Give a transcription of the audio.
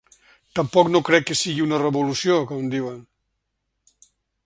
Tampoc no crec que sigui una revolució, com diuen.